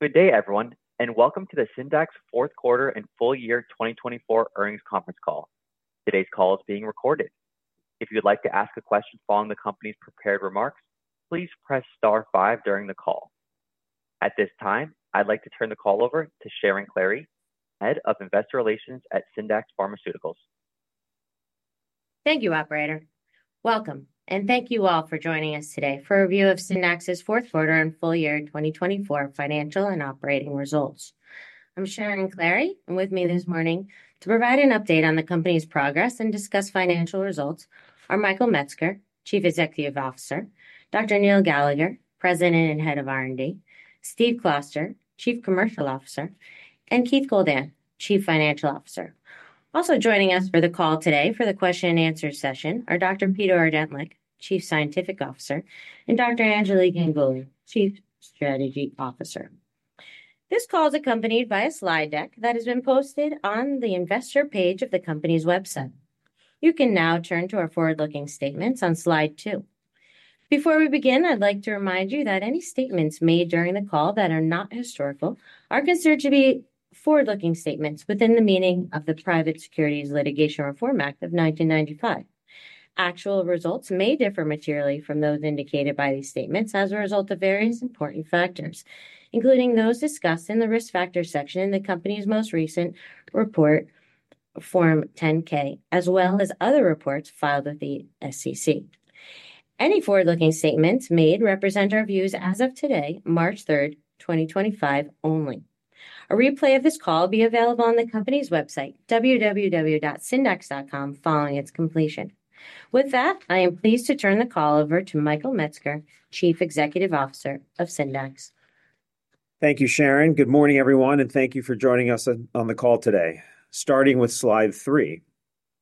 Good day, everyone, and welcome to the Syndax fourth quarter and full year 2024 earnings conference call. Today's call is being recorded. If you would like to ask a question following the company's prepared remarks, please press star five during the call. At this time, I'd like to turn the call over to Sharon Klahre, Head of Investor Relations at Syndax Pharmaceuticals. Thank you, Operator. Welcome, and thank you all for joining us today for a review of Syndax's fourth quarter and full year 2024 financial and operating results. I'm Sharon Klahre, and with me this morning to provide an update on the company's progress and discuss financial results are Michael Metzger, Chief Executive Officer, Dr. Neil Gallagher, President and Head of R&D, Steve Kloster, Chief Commercial Officer, and Keith Goldan, Chief Financial Officer. Also joining us for the call today for the question-and-answer session are Dr. Peter Ordentlich, Chief Scientific Officer, and Dr. Anjali Ganguli, Chief Strategy Officer. This call is accompanied by a slide deck that has been posted on the investor page of the company's website. You can now turn to our forward-looking statements on slide two. Before we begin, I'd like to remind you that any statements made during the call that are not historical are considered to be forward-looking statements within the meaning of the Private Securities Litigation Reform Act of 1995. Actual results may differ materially from those indicated by these statements as a result of various important factors, including those discussed in the risk factor section in the company's most recent report, Form 10-K, as well as other reports filed with the SEC. Any forward-looking statements made represent our views as of today, March 3rd, 2025, only. A replay of this call will be available on the company's website, www.syndax.com, following its completion. With that, I am pleased to turn the call over to Michael Metzger, Chief Executive Officer of Syndax. Thank you, Sharon. Good morning, everyone, and thank you for joining us on the call today. Starting with slide three,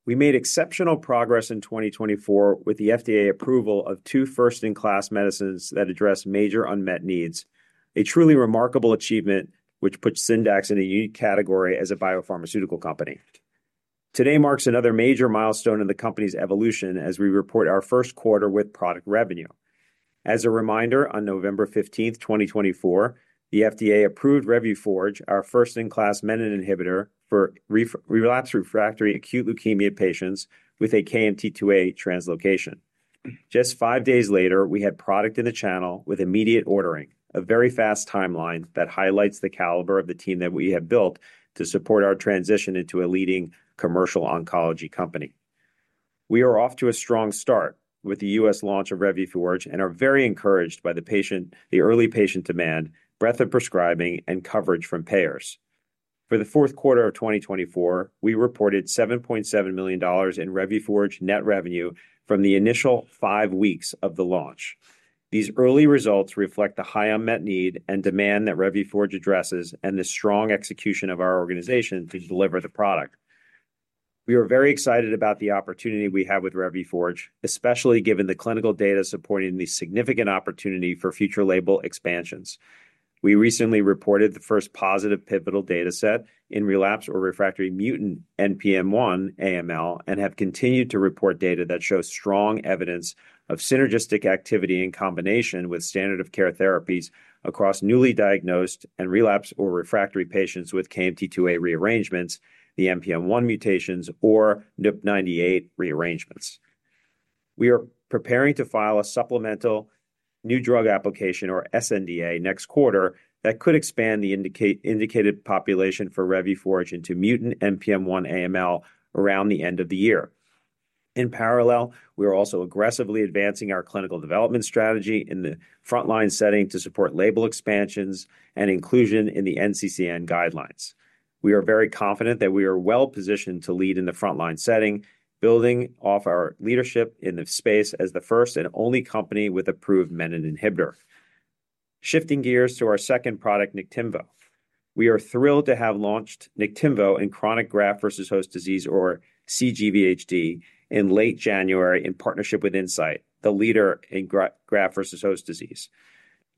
we made exceptional progress in 2024 with the FDA approval of two first-in-class medicines that address major unmet needs, a truly remarkable achievement which puts Syndax in a unique category as a biopharmaceutical company. Today marks another major milestone in the company's evolution as we report our first quarter with product revenue. As a reminder, on November 15th, 2024, the FDA approved Revuforj, our first-in-class menin inhibitor for relapse refractory acute leukemia patients with a KMT2A translocation. Just five days later, we had product in the channel with immediate ordering, a very fast timeline that highlights the caliber of the team that we have built to support our transition into a leading commercial oncology company. We are off to a strong start with the U.S. launch of Revuforj and are very encouraged by the early patient demand, breadth of prescribing, and coverage from payers. For the fourth quarter of 2024, we reported $7.7 million in Revuforj net revenue from the initial five weeks of the launch. These early results reflect the high unmet need and demand that Revuforj addresses and the strong execution of our organization to deliver the product. We are very excited about the opportunity we have with Revuforj, especially given the clinical data supporting the significant opportunity for future label expansions. We recently reported the first positive pivotal data set in relapse or refractory mutant NPM1 AML and have continued to report data that shows strong evidence of synergistic activity in combination with standard of care therapies across newly diagnosed and relapse or refractory patients with KMT2A rearrangements, the NPM1 mutations, or NIPT98 rearrangements. We are preparing to file a supplemental new drug application, or sNDA, next quarter that could expand the indicated population for Revuforj into mutant NPM1 AML around the end of the year. In parallel, we are also aggressively advancing our clinical development strategy in the frontline setting to support label expansions and inclusion in the NCCN guidelines. We are very confident that we are well positioned to lead in the frontline setting, building off our leadership in the space as the first and only company with approved menin inhibitor. Shifting gears to our second product, Niktimvo. We are thrilled to have launched Niktimvo in chronic graft-versus-host disease, or cGVHD, in late January in partnership with Insight, the leader in graft-versus-host disease.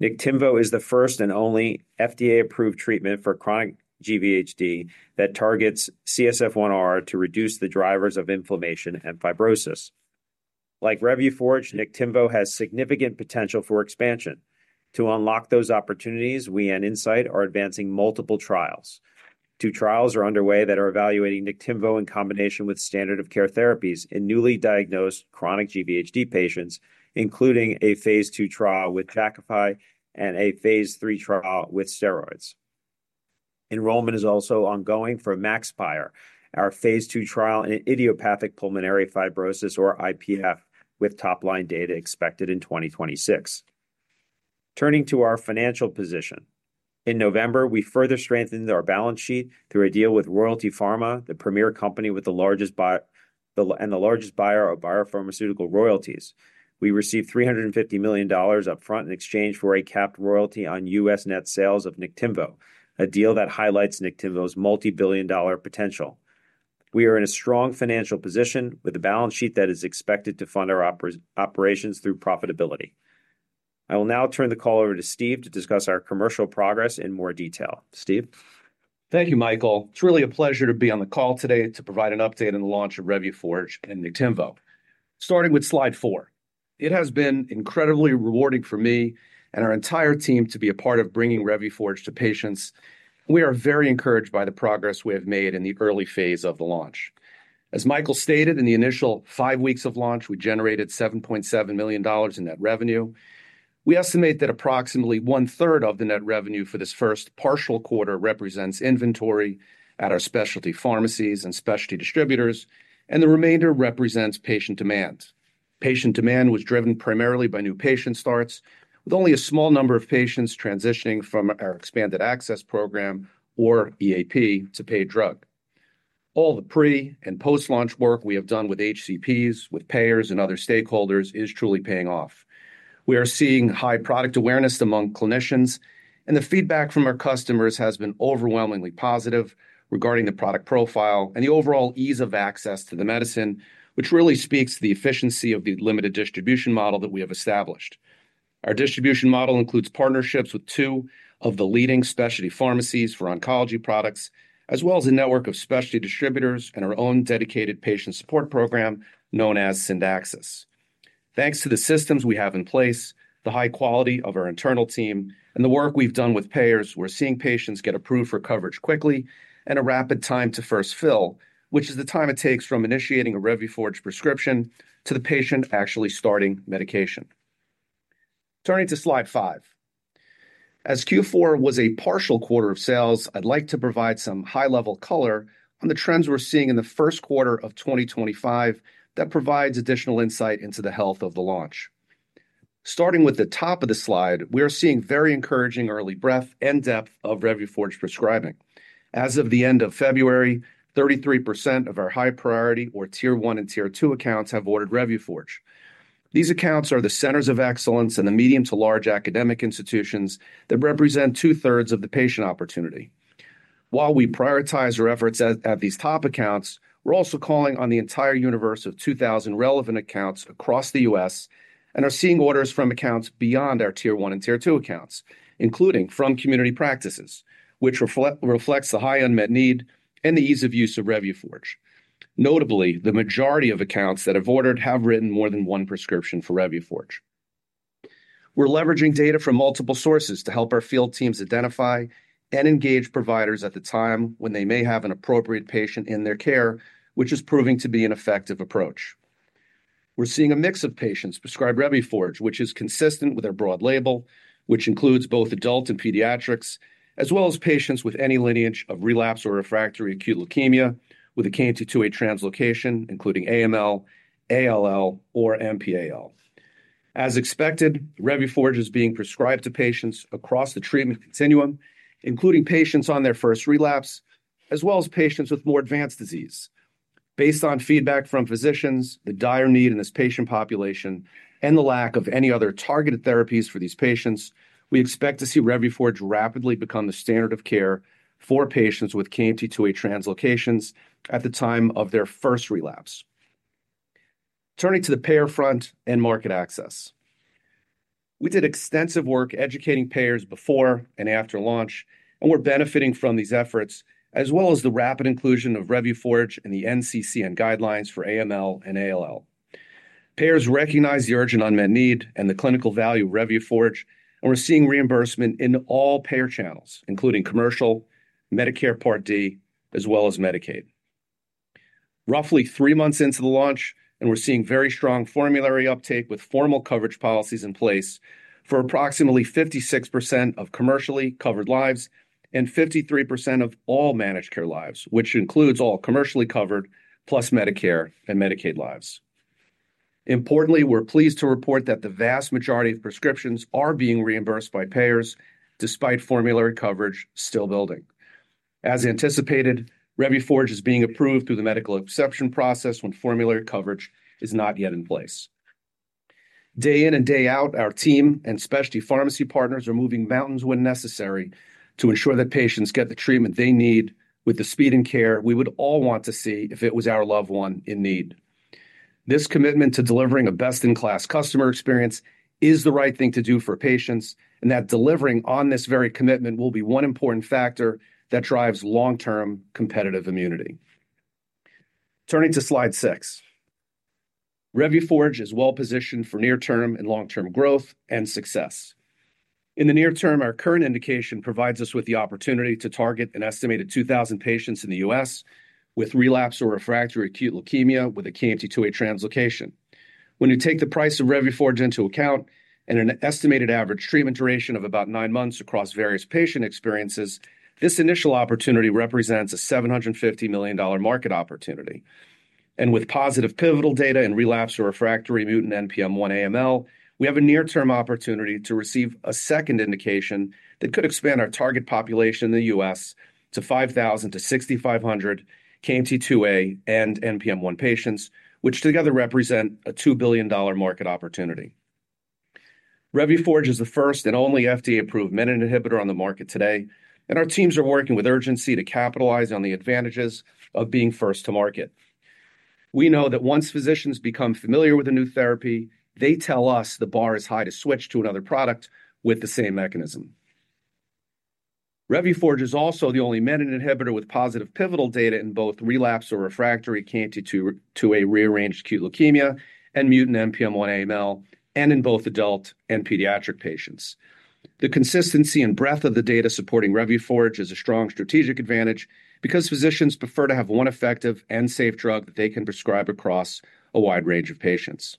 Niktimvo is the first and only FDA-approved treatment for chronic GVHD that targets CSF1R to reduce the drivers of inflammation and fibrosis. Like Revuforj, Niktimvo has significant potential for expansion. To unlock those opportunities, we and Incyte are advancing multiple trials. Two trials are underway that are evaluating Niktimvo in combination with standard of care therapies in newly diagnosed chronic GVHD patients, including a phase two trial with Jakafi and a phase three trial with steroids. Enrollment is also ongoing for MAXPIRe, our phase two trial in idiopathic pulmonary fibrosis, or IPF, with top-line data expected in 2026. Turning to our financial position, in November, we further strengthened our balance sheet through a deal with Royalty Pharma, the premier company with the largest buyer of biopharmaceutical royalties. We received $350 million upfront in exchange for a capped royalty on U.S. net sales of Niktimvo, a deal that highlights Niktimvo's multi-billion dollar potential. We are in a strong financial position with a balance sheet that is expected to fund our operations through profitability. I will now turn the call over to Steve to discuss our commercial progress in more detail. Steve? Thank you, Michael. It's really a pleasure to be on the call today to provide an update on the launch of Revuforj and Niktimvo. Starting with slide four, it has been incredibly rewarding for me and our entire team to be a part of bringing Revuforj to patients. We are very encouraged by the progress we have made in the early phase of the launch. As Michael stated, in the initial five weeks of launch, we generated $7.7 million in net revenue. We estimate that approximately one-third of the net revenue for this first partial quarter represents inventory at our specialty pharmacies and specialty distributors, and the remainder represents patient demand. Patient demand was driven primarily by new patient starts, with only a small number of patients transitioning from our expanded access program, or EAP, to paid drug. All the pre- and post-launch work we have done with HCPs, with payers, and other stakeholders is truly paying off. We are seeing high product awareness among clinicians, and the feedback from our customers has been overwhelmingly positive regarding the product profile and the overall ease of access to the medicine, which really speaks to the efficiency of the limited distribution model that we have established. Our distribution model includes partnerships with two of the leading specialty pharmacies for oncology products, as well as a network of specialty distributors and our own dedicated patient support program known as Syndaxus. Thanks to the systems we have in place, the high quality of our internal team, and the work we've done with payers, we're seeing patients get approved for coverage quickly and a rapid time to first fill, which is the time it takes from initiating a Revuforj prescription to the patient actually starting medication. Turning to slide five, as Q4 was a partial quarter of sales, I'd like to provide some high-level color on the trends we're seeing in the first quarter of 2025 that provides additional insight into the health of the launch. Starting with the top of the slide, we are seeing very encouraging early breadth and depth of Revuforj prescribing. As of the end of February, 33% of our high priority, or tier one and tier two accounts, have ordered Revuforj. These accounts are the centers of excellence and the medium to large academic institutions that represent two-thirds of the patient opportunity. While we prioritize our efforts at these top accounts, we're also calling on the entire universe of 2,000 relevant accounts across the U.S. and are seeing orders from accounts beyond our tier one and tier two accounts, including from community practices, which reflects the high unmet need and the ease of use of Revuforj. Notably, the majority of accounts that have ordered have written more than one prescription for Revuforj. We're leveraging data from multiple sources to help our field teams identify and engage providers at the time when they may have an appropriate patient in their care, which is proving to be an effective approach. We're seeing a mix of patients prescribe Revuforj, which is consistent with our broad label, which includes both adult and pediatrics, as well as patients with any lineage of relapse or refractory acute leukemia with a KMT2A translocation, including AML, ALL, or MPAL. As expected, Revuforj is being prescribed to patients across the treatment continuum, including patients on their first relapse, as well as patients with more advanced disease. Based on feedback from physicians, the dire need in this patient population, and the lack of any other targeted therapies for these patients, we expect to see Revuforj rapidly become the standard of care for patients with KMT2A translocations at the time of their first relapse. Turning to the payer front and market access, we did extensive work educating payers before and after launch and were benefiting from these efforts, as well as the rapid inclusion of Revuforj in the NCCN guidelines for AML and ALL. Payers recognize the urgent unmet need and the clinical value of Revuforj, and we're seeing reimbursement in all payer channels, including commercial, Medicare Part D, as well as Medicaid. Roughly three months into the launch, and we're seeing very strong formulary uptake with formal coverage policies in place for approximately 56% of commercially covered lives and 53% of all managed care lives, which includes all commercially covered plus Medicare and Medicaid lives. Importantly, we're pleased to report that the vast majority of prescriptions are being reimbursed by payers despite formulary coverage still building. As anticipated, Revuforj is being approved through the medical exception process when formulary coverage is not yet in place. Day in and day out, our team and specialty pharmacy partners are moving mountains when necessary to ensure that patients get the treatment they need with the speed and care we would all want to see if it was our loved one in need. This commitment to delivering a best-in-class customer experience is the right thing to do for patients, and that delivering on this very commitment will be one important factor that drives long-term competitive immunity. Turning to slide six, Revuforj is well positioned for near-term and long-term growth and success. In the near term, our current indication provides us with the opportunity to target an estimated 2,000 patients in the U.S. with relapse or refractory acute leukemia with a KMT2A translocation. When you take the price of Revuforj into account and an estimated average treatment duration of about nine months across various patient experiences, this initial opportunity represents a $750 million market opportunity. With positive pivotal data in relapse or refractory mutant NPM1 AML, we have a near-term opportunity to receive a second indication that could expand our target population in the U.S. to 5,000-6,500 KMT2A and NPM1 patients, which together represent a $2 billion market opportunity. Revuforj is the first and only FDA-approved menin inhibitor on the market today, and our teams are working with urgency to capitalize on the advantages of being first to market. We know that once physicians become familiar with a new therapy, they tell us the bar is high to switch to another product with the same mechanism. Revuforj is also the only menin inhibitor with positive pivotal data in both relapse or refractory KMT2A rearranged acute leukemia and mutant NPM1 AML, and in both adult and pediatric patients. The consistency and breadth of the data supporting Revuforj is a strong strategic advantage because physicians prefer to have one effective and safe drug that they can prescribe across a wide range of patients.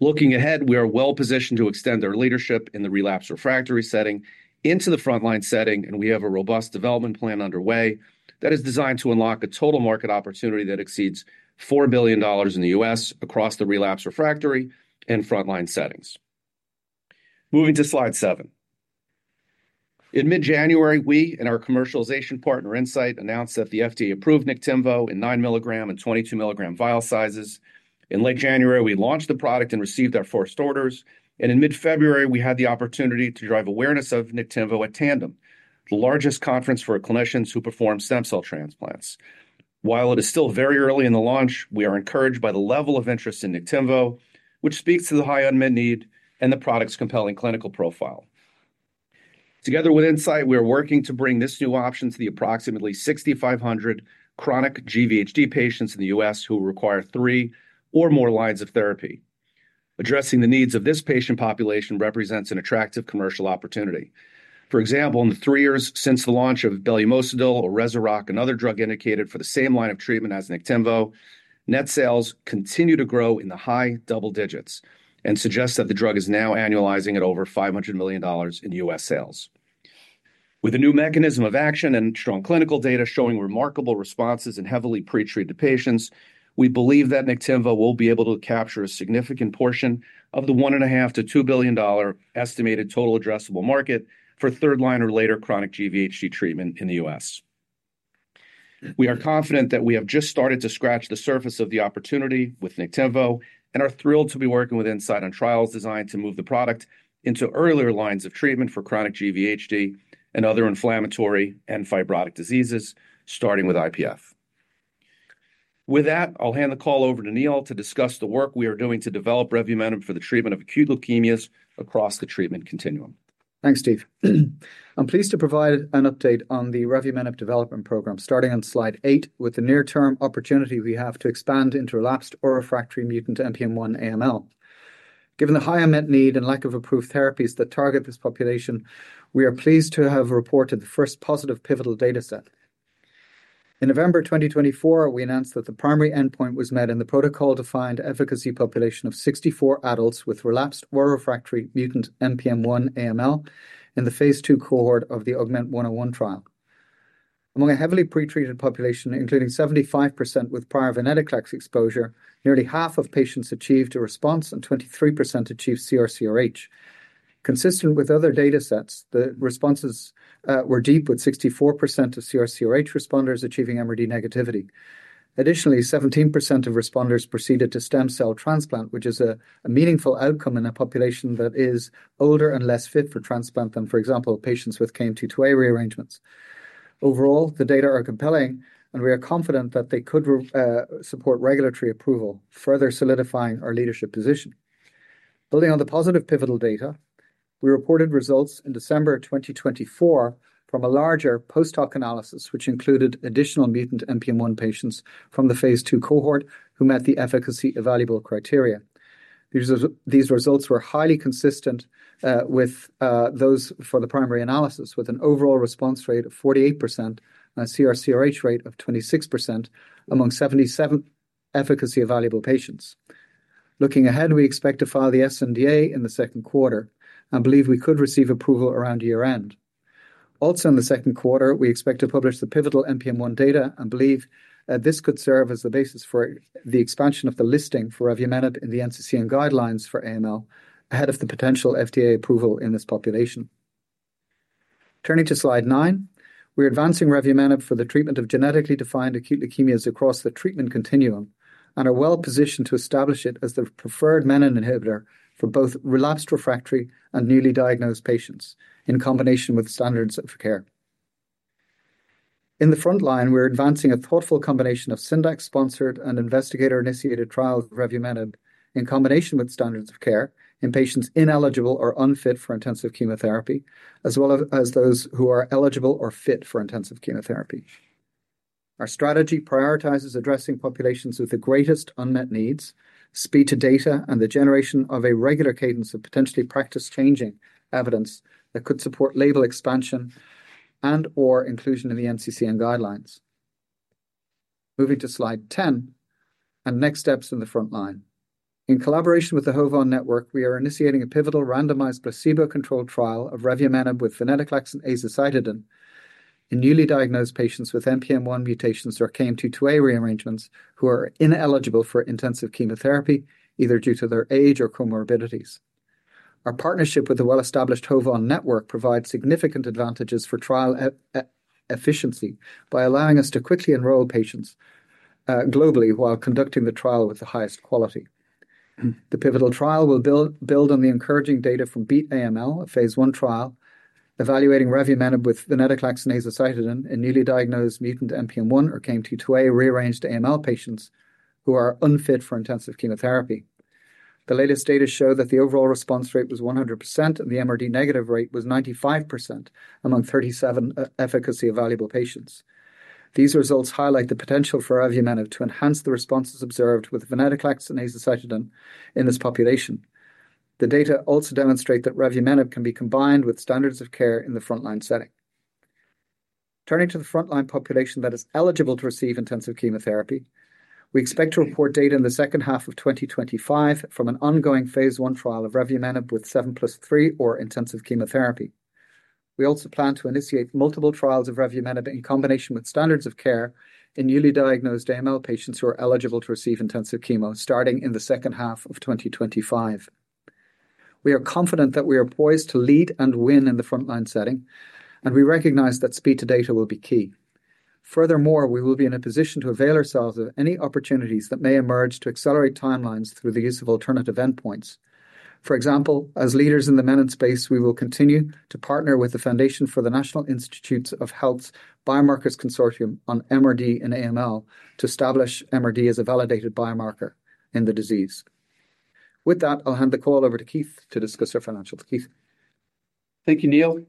Looking ahead, we are well positioned to extend our leadership in the relapse refractory setting into the frontline setting, and we have a robust development plan underway that is designed to unlock a total market opportunity that exceeds $4 billion in the U.S. across the relapse refractory and frontline settings. Moving to slide seven. In mid-January, we and our commercialization partner, Insight, announced that the FDA approved Niktimvo in 9 mg and 22 mg vial sizes. In late January, we launched the product and received our first orders. In mid-February, we had the opportunity to drive awareness of Niktimvo at Tandem, the largest conference for clinicians who perform stem cell transplants. While it is still very early in the launch, we are encouraged by the level of interest in Niktimvo, which speaks to the high unmet need and the product's compelling clinical profile. Together with Insight, we are working to bring this new option to the approximately 6,500 chronic GVHD patients in the U.S. who require three or more lines of therapy. Addressing the needs of this patient population represents an attractive commercial opportunity. For example, in the three years since the launch of belumosudil or Rezurock, another drug indicated for the same line of treatment as Niktimvo, net sales continue to grow in the high double digits and suggest that the drug is now annualizing at over $500 million in U.S. sales. With a new mechanism of action and strong clinical data showing remarkable responses in heavily pretreated patients, we believe that Niktimvo will be able to capture a significant portion of the $1.5 billion-$2 billion estimated total addressable market for third-line or later chronic GVHD treatment in the U.S. We are confident that we have just started to scratch the surface of the opportunity with Niktimvo and are thrilled to be working with Insight on trials designed to move the product into earlier lines of treatment for chronic GVHD and other inflammatory and fibrotic diseases, starting with IPF. With that, I'll hand the call over to Neil to discuss the work we are doing to develop Revumenib for the treatment of acute leukemias across the treatment continuum. Thanks, Steve. I'm pleased to provide an update on the Revumenib development program starting on slide eight with the near-term opportunity we have to expand into relapsed or refractory mutant NPM1 AML. Given the high unmet need and lack of approved therapies that target this population, we are pleased to have reported the first positive pivotal data set. In November 2024, we announced that the primary endpoint was met in the protocol-defined efficacy population of 64 adults with relapsed or refractory mutant NPM1 AML in the phase two cohort of the Augment 101 trial. Among a heavily pretreated population, including 75% with prior venetoclax exposure, nearly half of patients achieved a response and 23% achieved CR/CRh. Consistent with other data sets, the responses were deep with 64% of CR/CRh responders achieving MRD negativity. Additionally, 17% of responders proceeded to stem cell transplant, which is a meaningful outcome in a population that is older and less fit for transplant than, for example, patients with KMT2A rearrangements. Overall, the data are compelling, and we are confident that they could support regulatory approval, further solidifying our leadership position. Building on the positive pivotal data, we reported results in December 2024 from a larger post-hoc analysis, which included additional mutant NPM1 patients from the phase two cohort who met the efficacy evaluable criteria. These results were highly consistent with those for the primary analysis, with an overall response rate of 48% and a CR/CRh rate of 26% among 77 efficacy evaluable patients. Looking ahead, we expect to file the sNDA in the second quarter and believe we could receive approval around year-end. Also, in the second quarter, we expect to publish the pivotal NPM1 data and believe that this could serve as the basis for the expansion of the listing for Revumenib in the NCCN guidelines for AML ahead of the potential FDA approval in this population. Turning to slide nine, we're advancing Revumenib for the treatment of genetically defined acute leukemias across the treatment continuum and are well positioned to establish it as the preferred menin inhibitor for both relapsed refractory and newly diagnosed patients in combination with standards of care. In the frontline, we're advancing a thoughtful combination of Syndax-sponsored and investigator-initiated trials of Revumenib in combination with standards of care in patients ineligible or unfit for intensive chemotherapy, as well as those who are eligible or fit for intensive chemotherapy. Our strategy prioritizes addressing populations with the greatest unmet needs, speed to data, and the generation of a regular cadence of potentially practice-changing evidence that could support label expansion and/or inclusion in the NCCN guidelines. Moving to slide 10 and next steps in the frontline. In collaboration with the HOVON Network, we are initiating a pivotal randomized placebo-controlled trial of Revumenib with venetoclax and azacitidine in newly diagnosed patients with NPM1 mutations or KMT2A rearrangements who are ineligible for intensive chemotherapy, either due to their age or comorbidities. Our partnership with the well-established HOVON Network provides significant advantages for trial efficiency by allowing us to quickly enroll patients globally while conducting the trial with the highest quality. The pivotal trial will build on the encouraging data from BEAT AML, a phase one trial evaluating Revumenib with venetoclax and azacitidine in newly diagnosed mutant NPM1 or KMT2A rearranged AML patients who are unfit for intensive chemotherapy. The latest data show that the overall response rate was 100% and the MRD negative rate was 95% among 37 efficacy evaluable patients. These results highlight the potential for Revumenib to enhance the responses observed with venetoclax and azacitidine in this population. The data also demonstrate that Revumenib can be combined with standards of care in the frontline setting. Turning to the frontline population that is eligible to receive intensive chemotherapy, we expect to report data in the second half of 2025 from an ongoing phase one trial of Revumenib with 7+3 or intensive chemotherapy. We also plan to initiate multiple trials of Revumenib in combination with standards of care in newly diagnosed AML patients who are eligible to receive intensive chemo starting in the second half of 2025. We are confident that we are poised to lead and win in the frontline setting, and we recognize that speed to data will be key. Furthermore, we will be in a position to avail ourselves of any opportunities that may emerge to accelerate timelines through the use of alternative endpoints. For example, as leaders in the meta-space, we will continue to partner with the Foundation for the National Institutes of Health's Biomarkers Consortium on MRD and AML to establish MRD as a validated biomarker in the disease. With that, I'll hand the call over to Keith to discuss our financials. Keith. Thank you, Neil.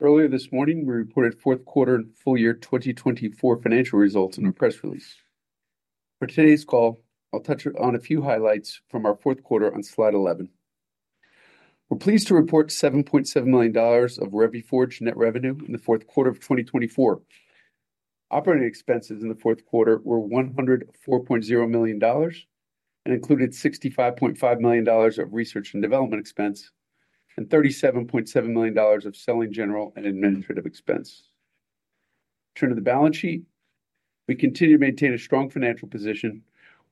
Earlier this morning, we reported fourth quarter and full year 2024 financial results in a press release. For today's call, I'll touch on a few highlights from our fourth quarter on slide 11. We're pleased to report $7.7 million of Revuforj net revenue in the fourth quarter of 2024. Operating expenses in the fourth quarter were $104.0 million and included $65.5 million of research and development expense and $37.7 million of selling, general and administrative expense. Turning to the balance sheet, we continue to maintain a strong financial position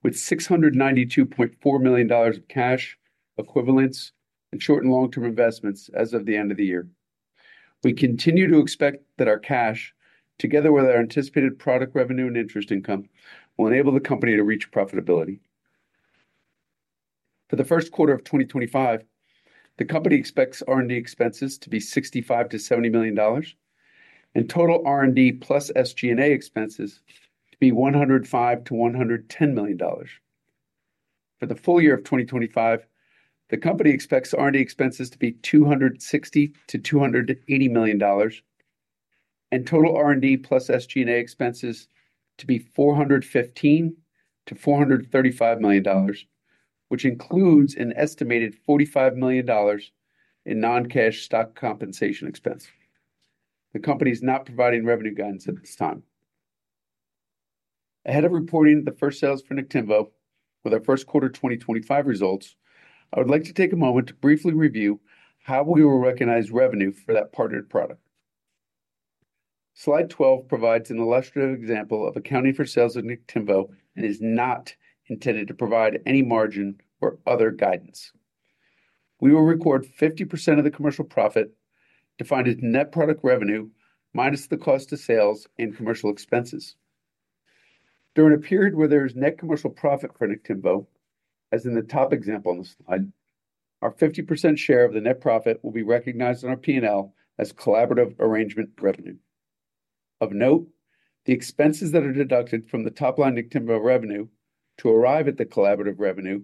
with $692.4 million of cash equivalents and short and long-term investments as of the end of the year. We continue to expect that our cash, together with our anticipated product revenue and interest income, will enable the company to reach profitability. For the first quarter of 2025, the company expects R&D expenses to be $65-$70 million and total R&D plus SG&A expenses to be $105-$110 million. For the full year of 2025, the company expects R&D expenses to be $260-$280 million and total R&D plus SG&A expenses to be $415-$435 million, which includes an estimated $45 million in non-cash stock compensation expense. The company is not providing revenue guidance at this time. Ahead of reporting the first sales for Niktimvo with our first quarter 2025 results, I would like to take a moment to briefly review how we will recognize revenue for that partnered product. Slide 12 provides an illustrative example of accounting for sales of Niktimvo and is not intended to provide any margin or other guidance. We will record 50% of the commercial profit defined as net product revenue minus the cost of sales and commercial expenses. During a period where there is net commercial profit for Niktimvo, as in the top example on the slide, our 50% share of the net profit will be recognized in our P&L as collaborative arrangement revenue. Of note, the expenses that are deducted from the top line Niktimvo revenue to arrive at the collaborative revenue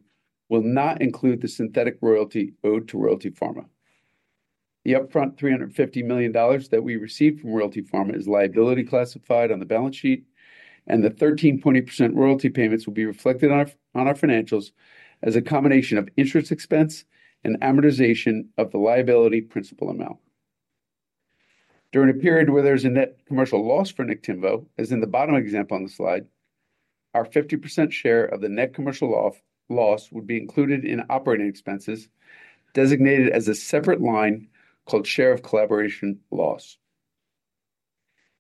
will not include the synthetic royalty owed to Royalty Pharma. The upfront $350 million that we received from Royalty Pharma is liability classified on the balance sheet, and the 13.20% royalty payments will be reflected on our financials as a combination of interest expense and amortization of the liability principal amount. During a period where there is a net commercial loss for Niktimvo, as in the bottom example on the slide, our 50% share of the net commercial loss would be included in operating expenses designated as a separate line called share of collaboration loss.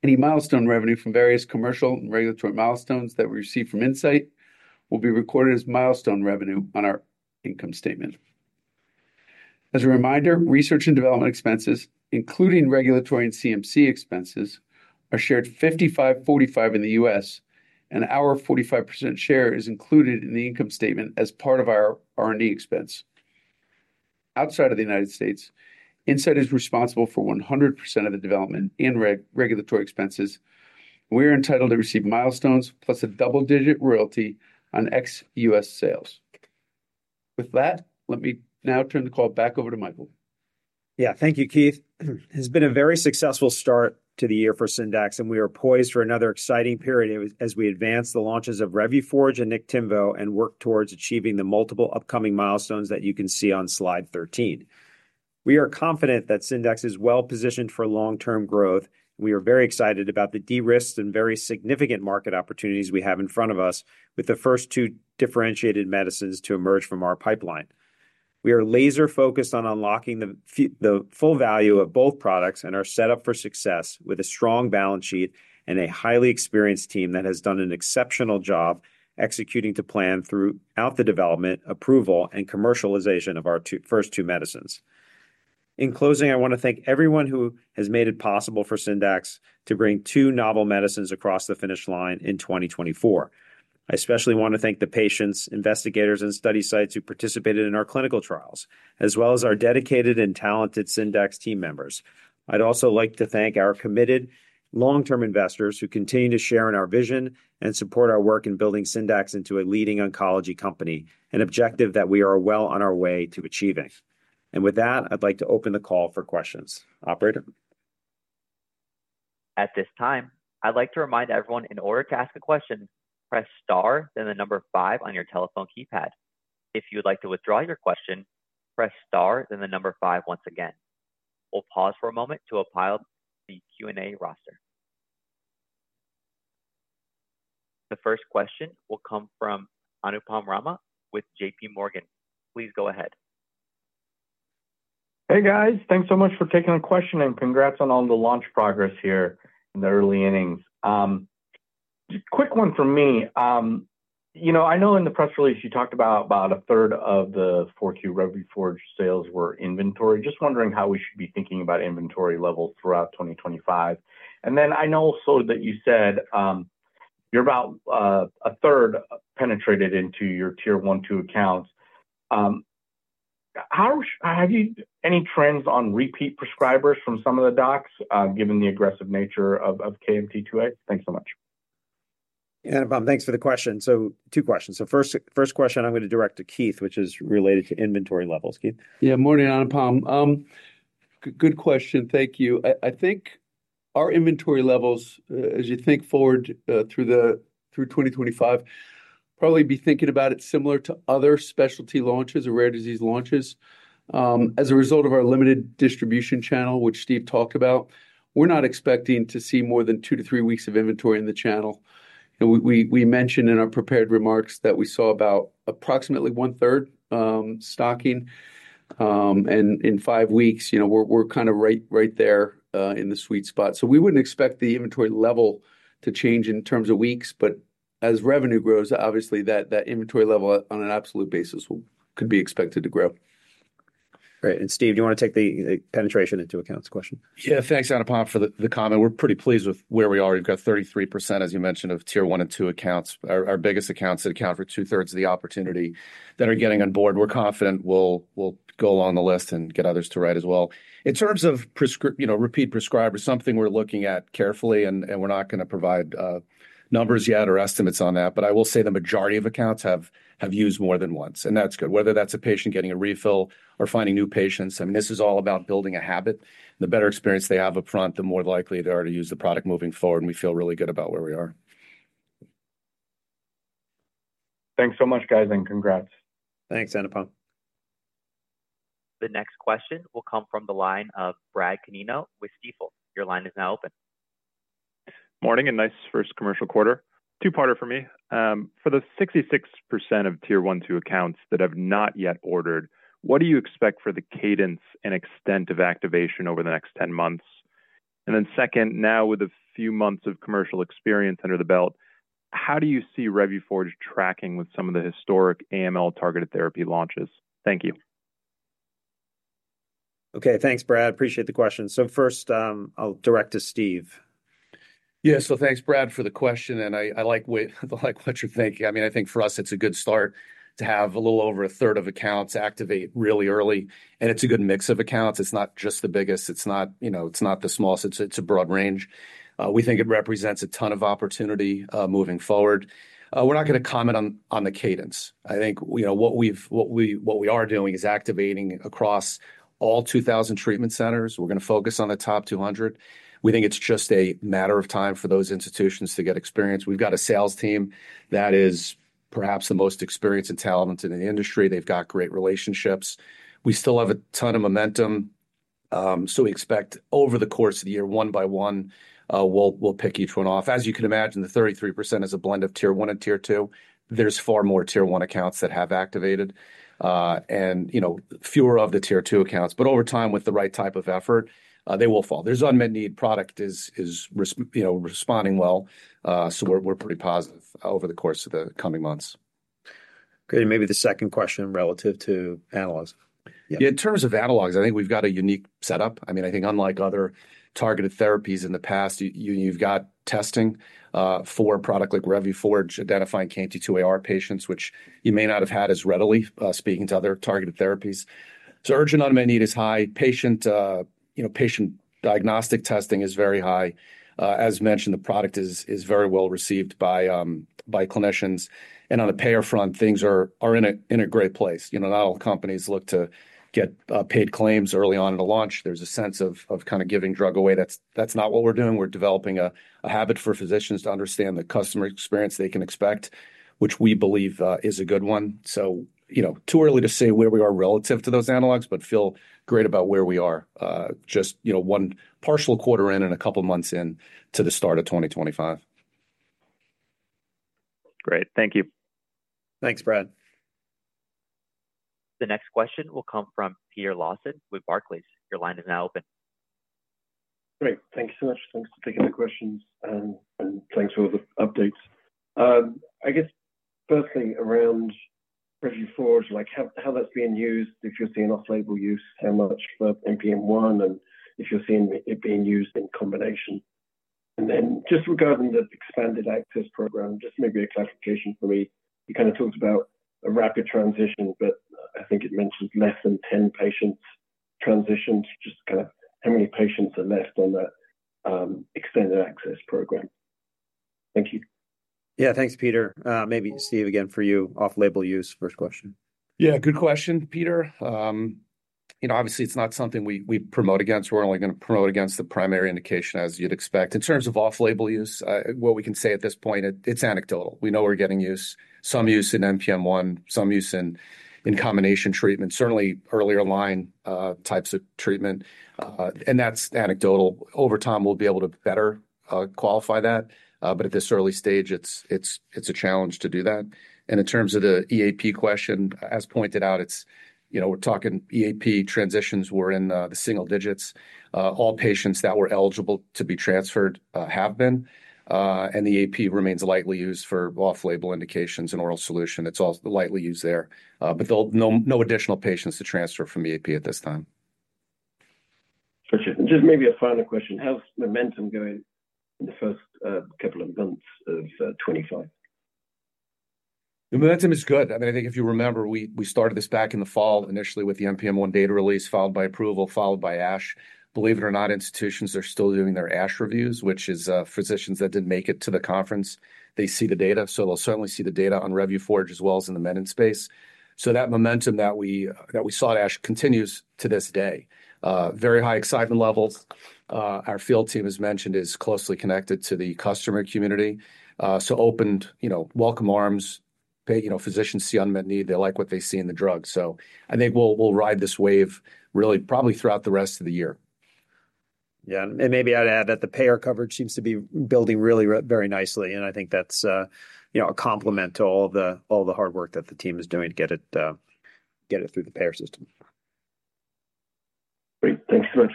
Any milestone revenue from various commercial and regulatory milestones that we receive from Incyte will be recorded as milestone revenue on our income statement. As a reminder, research and development expenses, including regulatory and CMC expenses, are shared 55-45 in the U.S., and our 45% share is included in the income statement as part of our R&D expense. Outside of the United States, Incyte is responsible for 100% of the development and regulatory expenses. We are entitled to receive milestones plus a double-digit royalty on ex-U.S. sales. With that, let me now turn the call back over to Michael. Yeah, thank you, Keith. It has been a very successful start to the year for Syndax, and we are poised for another exciting period as we advance the launches of Revuforj and Niktimvo and work towards achieving the multiple upcoming milestones that you can see on slide 13. We are confident that Syndax is well positioned for long-term growth, and we are very excited about the de-risked and very significant market opportunities we have in front of us with the first two differentiated medicines to emerge from our pipeline. We are laser-focused on unlocking the full value of both products and are set up for success with a strong balance sheet and a highly experienced team that has done an exceptional job executing to plan throughout the development, approval, and commercialization of our first two medicines. In closing, I want to thank everyone who has made it possible for Syndax to bring two novel medicines across the finish line in 2024. I especially want to thank the patients, investigators, and study sites who participated in our clinical trials, as well as our dedicated and talented Syndax team members. I'd also like to thank our committed long-term investors who continue to share in our vision and support our work in building Syndax into a leading oncology company, an objective that we are well on our way to achieving. With that, I'd like to open the call for questions. Operator. At this time, I'd like to remind everyone in order to ask a question, press star then the number five on your telephone keypad. If you would like to withdraw your question, press star then the number five once again. We'll pause for a moment to apply the Q&A roster. The first question will come from Anupam Rama with JPMorgan. Please go ahead. Hey, guys. Thanks so much for taking a question and congrats on all the launch progress here in the early innings. Quick one from me. You know, I know in the press release you talked about about a third of the fourth quarter Revuforj sales were inventory. Just wondering how we should be thinking about inventory levels throughout 2025. I know also that you said you're about a third penetrated into your tier one-two accounts. Have you any trends on repeat prescribers from some of the docs given the aggressive nature of KMT2A? Thanks so much. Yeah, Anupam, thanks for the question. Two questions. First question, I'm going to direct to Keith, which is related to inventory levels. Keith. Yeah, morning, Anupam. Good question. Thank you. I think our inventory levels, as you think forward through 2025, probably be thinking about it similar to other specialty launches, rare disease launches. As a result of our limited distribution channel, which Steve talked about, we're not expecting to see more than two to three weeks of inventory in the channel. We mentioned in our prepared remarks that we saw about approximately one-third stocking. In five weeks, we're kind of right there in the sweet spot. We wouldn't expect the inventory level to change in terms of weeks, but as revenue grows, obviously that inventory level on an absolute basis could be expected to grow. Great. Steve, do you want to take the penetration into account question? Yeah, thanks, Anupam, for the comment. We're pretty pleased with where we are. You've got 33%, as you mentioned, of tier one and two accounts. Our biggest accounts that account for two-thirds of the opportunity that are getting on board. We're confident we'll go along the list and get others to write as well. In terms of repeat prescribers, something we're looking at carefully, and we're not going to provide numbers yet or estimates on that, but I will say the majority of accounts have used more than once, and that's good. Whether that's a patient getting a refill or finding new patients, I mean, this is all about building a habit. The better experience they have upfront, the more likely they are to use the product moving forward, and we feel really good about where we are. Thanks so much, guys, and congrats. Thanks, Anupam. The next question will come from the line of Brad Canino with Stifel. Your line is now open. Morning and nice first commercial quarter. Two-parter for me. For the 66% of tier one-two accounts that have not yet ordered, what do you expect for the cadence and extent of activation over the next 10 months? Second, now with a few months of commercial experience under the belt, how do you see Revuforj tracking with some of the historic AML targeted therapy launches? Thank you. Okay, thanks, Brad. Appreciate the question. First, I'll direct to Steve. Yeah, thanks, Brad, for the question, and I like what you're thinking. I mean, I think for us, it's a good start to have a little over a third of accounts activate really early, and it's a good mix of accounts. It's not just the biggest. It's not the smallest. It's a broad range. We think it represents a ton of opportunity moving forward. We're not going to comment on the cadence. I think what we are doing is activating across all 2,000 treatment centers. We're going to focus on the top 200. We think it's just a matter of time for those institutions to get experience. We've got a sales team that is perhaps the most experienced and talented in the industry. They've got great relationships. We still have a ton of momentum, so we expect over the course of the year, one by one, we'll pick each one off. As you can imagine, the 33% is a blend of tier one and tier two. There's far more tier one accounts that have activated and fewer of the tier two accounts. Over time, with the right type of effort, they will fall. There's unmet need. Product is responding well, so we're pretty positive over the course of the coming months. Okay, maybe the second question relative to analogs. Yeah, in terms of analogs, I think we've got a unique setup. I mean, I think unlike other targeted therapies in the past, you've got testing for a product like Revuforj identifying KMT2AR patients, which you may not have had as readily speaking to other targeted therapies. Urgent unmet need is high. Patient diagnostic testing is very high. As mentioned, the product is very well received by clinicians. On a payer front, things are in a great place. Not all companies look to get paid claims early on in a launch. There's a sense of kind of giving drug away. That's not what we're doing. We're developing a habit for physicians to understand the customer experience they can expect, which we believe is a good one. Too early to say where we are relative to those analogs, but feel great about where we are just one partial quarter in and a couple of months in to the start of 2025. Great. Thank you. Thanks, Brad. The next question will come from Peter Lawson with Barclays. Your line is now open. Great. Thanks so much. Thanks for taking the questions, and thanks for the updates. I guess firstly around Revuforj, how that's being used, if you're seeing off-label use, how much for NPM1, and if you're seeing it being used in combination. Just regarding the expanded access program, just maybe a clarification for me. You kind of talked about a rapid transition, but I think it mentioned less than 10 patients transitioned, just kind of how many patients are left on the expanded access program. Thank you. Yeah, thanks, Peter. Maybe Steve, again for you, off-label use, first question. Yeah, good question, Peter. Obviously, it's not something we promote against. We're only going to promote against the primary indication, as you'd expect. In terms of off-label use, what we can say at this point, it's anecdotal. We know we're getting use, some use in NPM1, some use in combination treatment, certainly earlier line types of treatment. And that's anecdotal. Over time, we'll be able to better qualify that. At this early stage, it's a challenge to do that. In terms of the EAP question, as pointed out, we're talking EAP transitions were in the single digits. All patients that were eligible to be transferred have been. EAP remains likely used for off-label indications and oral solution. It's all likely used there. No additional patients to transfer from EAP at this time. Gotcha. Just maybe a final question. How's momentum going in the first couple of months of 2025? The momentum is good. I mean, I think if you remember, we started this back in the fall initially with the MPM-1 data release followed by approval, followed by ASH. Believe it or not, institutions are still doing their ASH reviews, which is physicians that didn't make it to the conference, they see the data. They'll certainly see the data on Revuforj as well as in the menin space. That momentum that we saw at ASH continues to this day. Very high excitement levels. Our field team, as mentioned, is closely connected to the customer community. Open welcome arms. Physicians see unmet need. They like what they see in the drug. I think we'll ride this wave really probably throughout the rest of the year. Yeah. Maybe I'd add that the payer coverage seems to be building really very nicely. I think that's a compliment to all the hard work that the team is doing to get it through the payer system. Great. Thanks so much.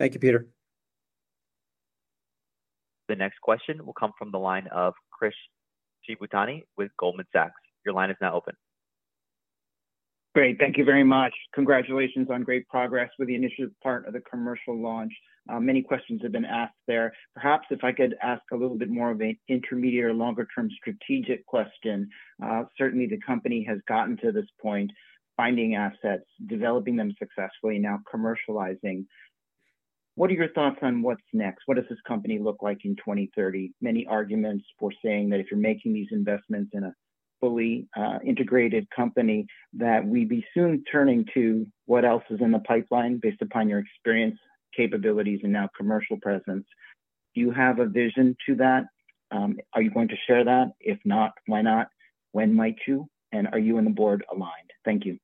Thank you, Peter. The next question will come from the line of Chris Shibutani with Goldman Sachs. Your line is now open. Great. Thank you very much. Congratulations on great progress with the initiative part of the commercial launch. Many questions have been asked there. Perhaps if I could ask a little bit more of an intermediate or longer-term strategic question. Certainly, the company has gotten to this point, finding assets, developing them successfully, now commercializing. What are your thoughts on what's next? What does this company look like in 2030? Many arguments for saying that if you're making these investments in a fully integrated company that we'd be soon turning to what else is in the pipeline based upon your experience, capabilities, and now commercial presence. Do you have a vision to that? Are you going to share that? If not, why not? When might you? And are you and the board aligned? Thank you.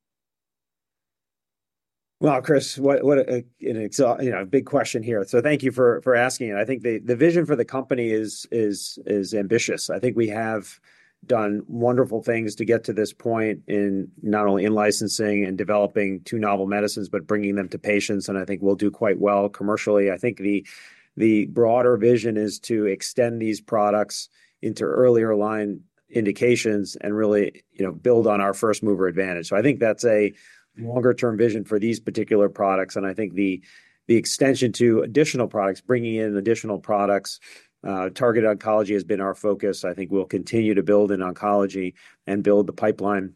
Chris, what a big question here. Thank you for asking. I think the vision for the company is ambitious. I think we have done wonderful things to get to this point in not only licensing and developing two novel medicines, but bringing them to patients. I think we'll do quite well commercially. I think the broader vision is to extend these products into earlier line indications and really build on our first-mover advantage. I think that's a longer-term vision for these particular products. I think the extension to additional products, bringing in additional products, targeted oncology has been our focus. I think we'll continue to build in oncology and build the pipeline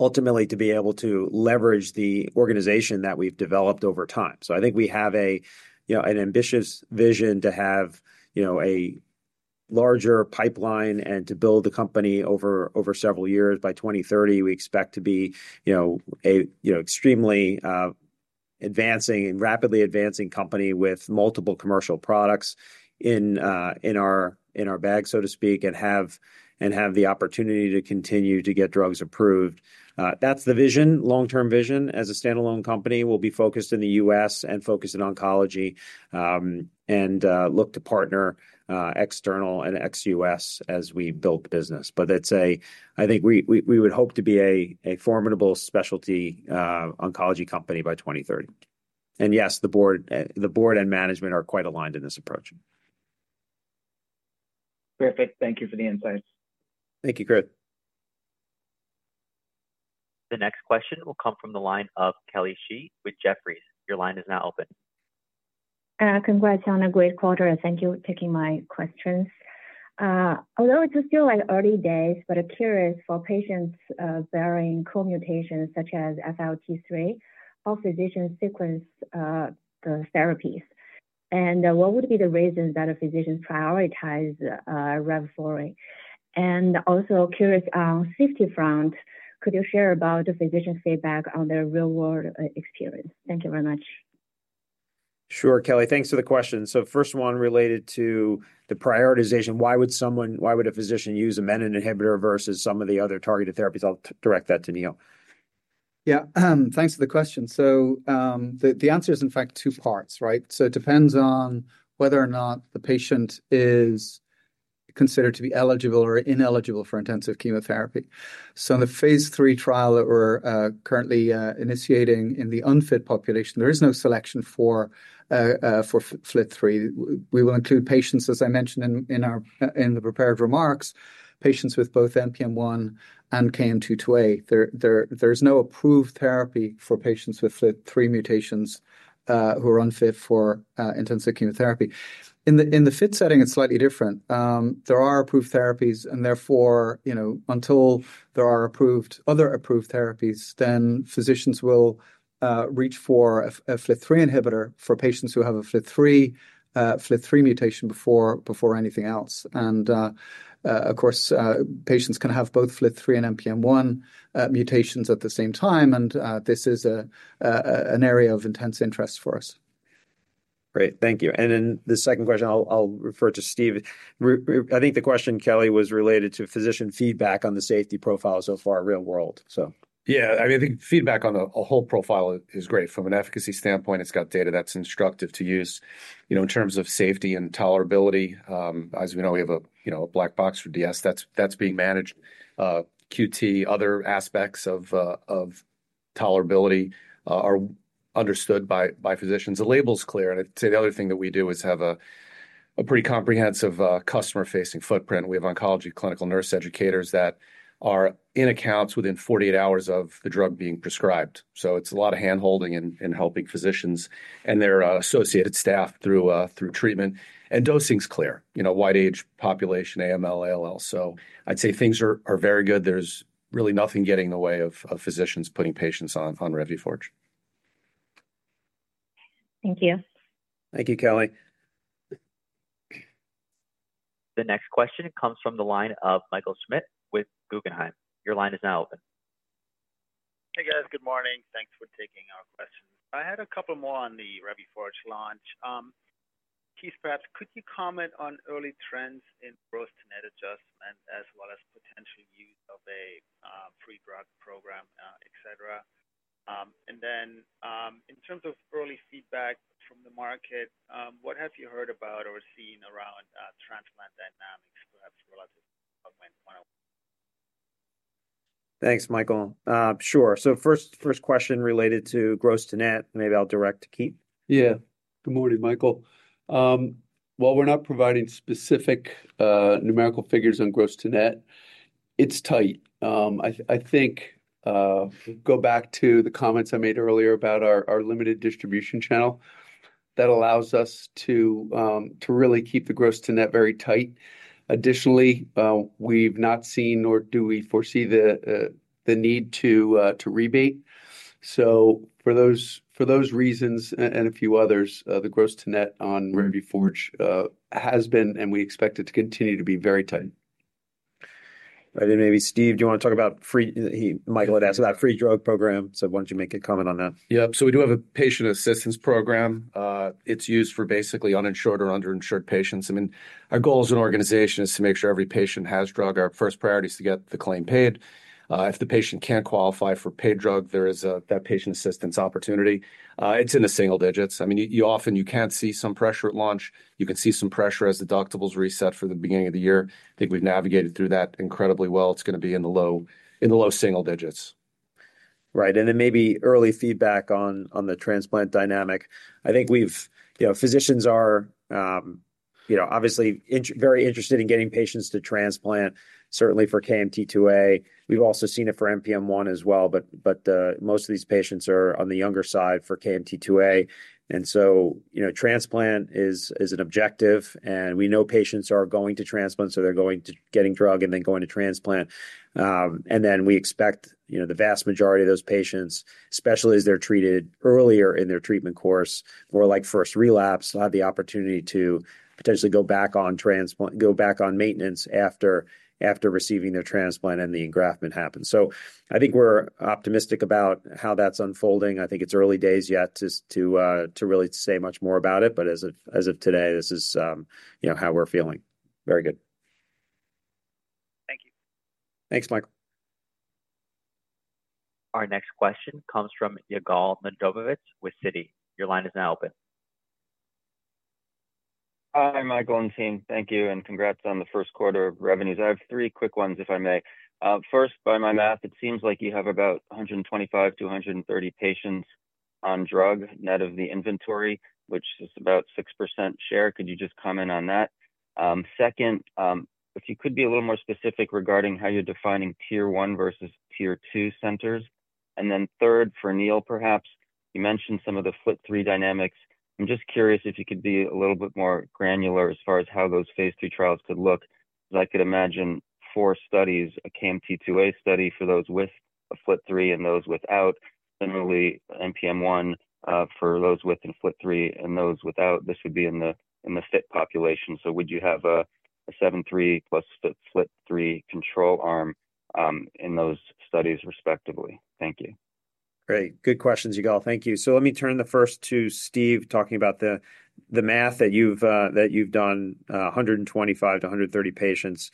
ultimately to be able to leverage the organization that we've developed over time. I think we have an ambitious vision to have a larger pipeline and to build the company over several years. By 2030, we expect to be an extremely advancing and rapidly advancing company with multiple commercial products in our bag, so to speak, and have the opportunity to continue to get drugs approved. That is the vision, long-term vision. As a standalone company, we'll be focused in the U.S. and focused in oncology and look to partner external and ex-U.S. as we build business. I think we would hope to be a formidable specialty oncology company by 2030. Yes, the board and management are quite aligned in this approach. Perfect. Thank you for the insights. Thank you, Chris. The next question will come from the line of Kelly Shi with Jefferies. Your line is now open. Congrats on a great quarter. Thank you for taking my questions. Although it's still early days, I'm curious for patients bearing co-mutations such as FLT3, how physicians sequence the therapies. What would be the reasons that physicians prioritize Revuforj? I'm also curious on the safety front, could you share about physician feedback on their real-world experience? Thank you very much. Sure, Kelly. Thanks for the question. First one related to the prioritization. Why would a physician use a menin inhibitor versus some of the other targeted therapies? I'll direct that to Neil. Yeah, thanks for the question. The answer is, in fact, two parts, right? It depends on whether or not the patient is considered to be eligible or ineligible for intensive chemotherapy. In the phase three trial that we're currently initiating in the unfit population, there is no selection for FLT3. We will include patients, as I mentioned in the prepared remarks, patients with both NPM1 and KMT2A. There is no approved therapy for patients with FLT3 mutations who are unfit for intensive chemotherapy. In the fit setting, it's slightly different. There are approved therapies, and therefore, until there are other approved therapies, physicians will reach for a FLT3 inhibitor for patients who have a FLT3 mutation before anything else. Of course, patients can have both FLT3 and NPM1 mutations at the same time. This is an area of intense interest for us. Great. Thank you. The second question, I'll refer to Steve. I think the question, Kelly, was related to physician feedback on the safety profile so far real world, so. Yeah. I mean, I think feedback on the whole profile is great. From an efficacy standpoint, it's got data that's instructive to use in terms of safety and tolerability. As we know, we have a black box for DS. That's being managed. QT, other aspects of tolerability are understood by physicians. The label's clear. I'd say the other thing that we do is have a pretty comprehensive customer-facing footprint. We have oncology clinical nurse educators that are in accounts within 48 hours of the drug being prescribed. It's a lot of hand-holding in helping physicians and their associated staff through treatment. Dosing's clear. Wide age population, AML, ALL. I'd say things are very good. There's really nothing getting in the way of physicians putting patients on Revuforj. Thank you. Thank you, Kelly. The next question comes from the line of Michael Schmidt with Guggenheim. Your line is now open. Hey, guys. Good morning. Thanks for taking our questions. I had a couple more on the Revuforj launch. Keith, perhaps could you comment on early trends in gross net adjustment as well as potential use of a free drug program, etc.? In terms of early feedback from the market, what have you heard about or seen around transplant dynamics, perhaps relative to one-on-one? Thanks, Michael. Sure. First question related to growth to net. Maybe I'll direct to Keith. Yeah. Good morning, Michael. While we're not providing specific numerical figures on growth to net, it's tight. I think go back to the comments I made earlier about our limited distribution channel. That allows us to really keep the growth to net very tight. Additionally, we've not seen nor do we foresee the need to rebate. For those reasons and a few others, the growth to net on Revuforj has been, and we expect it to continue to be, very tight. Right. Maybe Steve, do you want to talk about free? Michael had asked about free drug program. Why don't you make a comment on that? Yeah. So we do have a patient assistance program. It's used for basically uninsured or underinsured patients. I mean, our goal as an organization is to make sure every patient has drug. Our first priority is to get the claim paid. If the patient can't qualify for paid drug, there is that patient assistance opportunity. It's in the single digits. I mean, often you can see some pressure at launch. You can see some pressure as deductibles reset for the beginning of the year. I think we've navigated through that incredibly well. It's going to be in the low single digits. Right. Maybe early feedback on the transplant dynamic. I think physicians are obviously very interested in getting patients to transplant, certainly for KMT2A. We have also seen it for NPM1 as well. Most of these patients are on the younger side for KMT2A, and transplant is an objective. We know patients are going to transplant, so they are getting drug and then going to transplant. We expect the vast majority of those patients, especially as they are treated earlier in their treatment course, more like first relapse, have the opportunity to potentially go back on maintenance after receiving their transplant and the engraftment happens. I think we are optimistic about how that is unfolding. I think it is early days yet to really say much more about it. As of today, this is how we are feeling. Very good. Thank you. Thanks, Michael. Our next question comes from Yigal Nochomovitz with Citi. Your line is now open. Hi, Michael and team. Thank you. Congrats on the first quarter of revenues. I have three quick ones if I may. First, by my math, it seems like you have about 125-130 patients on drug net of the inventory, which is about 6% share. Could you just comment on that? Second, if you could be a little more specific regarding how you're defining tier one versus tier two centers. Third, for Neil, perhaps, you mentioned some of the FLT3 dynamics. I'm just curious if you could be a little bit more granular as far as how those phase three trials could look. As I could imagine, four studies, a KMT2A study for those with a FLT3 and those without, generally NPM1 for those with FLT3 and those without. This would be in the fit population. Would you have a 7+3 plus FLT3 control arm in those studies respectively? Thank you. Great. Good questions, Yigal. Thank you. Let me turn the first to Steve talking about the math that you've done: 125-130 patients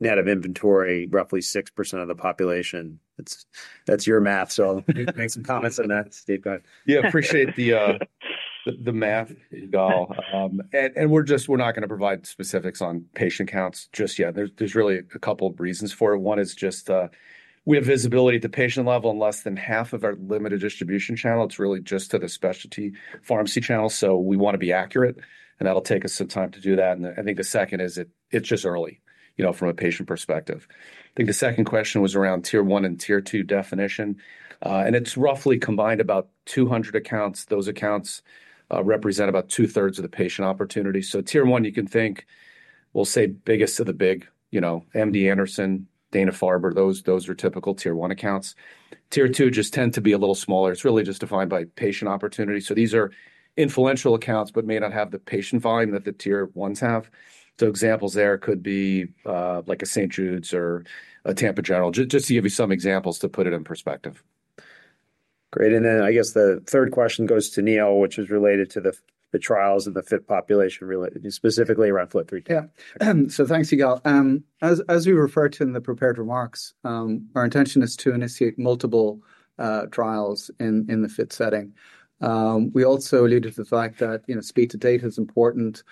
net of inventory, roughly 6% of the population. That's your math. Make some comments on that, Steve. Go ahead. Yeah. Appreciate the math, Yigal. We're not going to provide specifics on patient counts just yet. There's really a couple of reasons for it. One is just we have visibility at the patient level on less than half of our limited distribution channel. It's really just to the specialty pharmacy channel. We want to be accurate. That'll take us some time to do that. I think the second is it's just early from a patient perspective. I think the second question was around tier one and tier two definition. It's roughly combined about 200 accounts. Those accounts represent about two-thirds of the patient opportunity. Tier one, you can think, we'll say biggest of the big, MD Anderson, Dana-Farber, those are typical tier one accounts. Tier two just tend to be a little smaller. It's really just defined by patient opportunity. These are influential accounts but may not have the patient volume that the tier ones have. Examples there could be like a St. Jude's or a Tampa General, just to give you some examples to put it in perspective. Great. I guess the third question goes to Neil, which is related to the trials in the fit population, specifically around FLT3. Yeah. Thanks, Yigal. As we referred to in the prepared remarks, our intention is to initiate multiple trials in the fit setting. We also alluded to the fact that speed to date is important.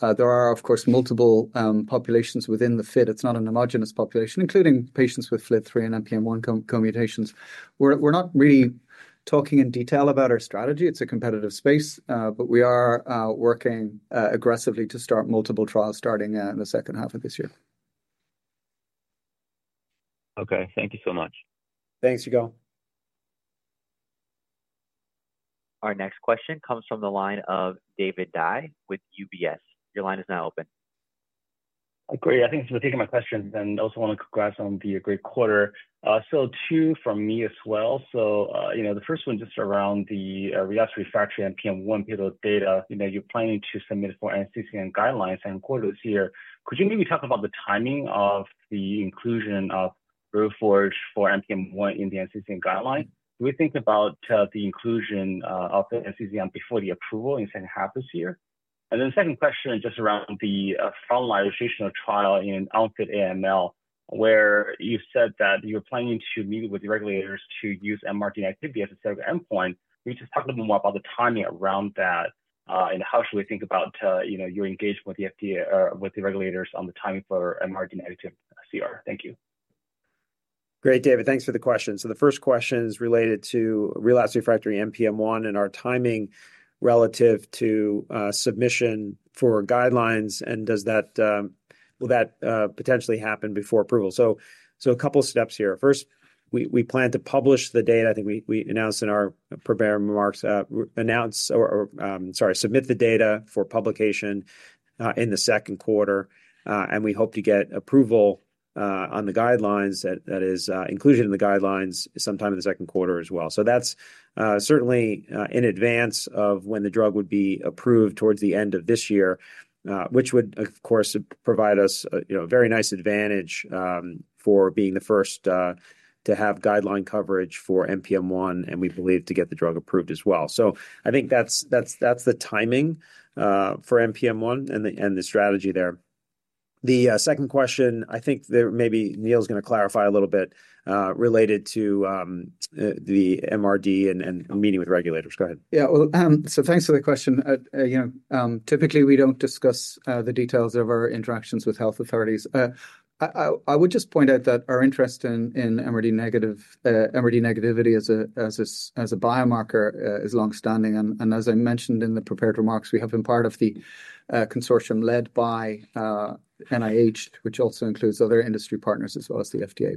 There are, of course, multiple populations within the fit. It's not a homogenous population, including patients with FLT3 and NPM1 co-mutations. We're not really talking in detail about our strategy. It's a competitive space. We are working aggressively to start multiple trials starting in the second half of this year. Okay. Thank you so much. Thanks, Ygal. Our next question comes from the line of David Dai with UBS. Your line is now open. Great. I think it's a good take on my question. I also want to congrats on the great quarter. Two from me as well. The first one just around the reassurance factor and NPM1 pillow data. You're planning to submit for NCCN guidelines and quarters here. Could you maybe talk about the timing of the inclusion of Revuforj for NPM1 in the NCCN guideline? Do we think about the inclusion of the NCCN before the approval in the second half this year? The second question just around the finalization of trial in unfit AML, where you said that you're planning to meet with the regulators to use MRD negativity as a set of endpoint. Can you just talk a little bit more about the timing around that and how should we think about your engagement with the regulators on the timing for MRD negativity? CR, thank you. Great, David. Thanks for the question. The first question is related to relapse refractory MPM-1 and our timing relative to submission for guidelines. Will that potentially happen before approval? A couple of steps here. First, we plan to publish the data. I think we announced in our prepared remarks, announce, or sorry, submit the data for publication in the second quarter. We hope to get approval on the guidelines, that is, included in the guidelines sometime in the second quarter as well. That is certainly in advance of when the drug would be approved towards the end of this year, which would, of course, provide us a very nice advantage for being the first to have guideline coverage for MPM-1 and we believe to get the drug approved as well. I think that is the timing for MPM-1 and the strategy there. The second question, I think maybe Neil is going to clarify a little bit related to the MRD and meeting with regulators. Go ahead. Yeah. Thanks for the question. Typically, we don't discuss the details of our interactions with health authorities. I would just point out that our interest in MRD negativity as a biomarker is longstanding. As I mentioned in the prepared remarks, we have been part of the consortium led by NIH, which also includes other industry partners as well as the FDA.